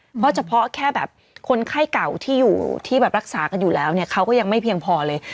เพราะเฉพาะแค่แบบคนไข้เก่าที่อยู่ที่แบบรักษากันอยู่แล้วเนี่ยเขาก็ยังไม่เพียงพอเลย